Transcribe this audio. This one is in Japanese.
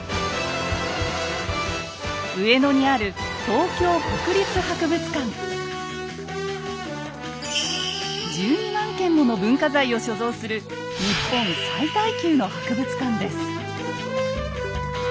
上野にある１２万件もの文化財を所蔵する日本最大級の博物館です。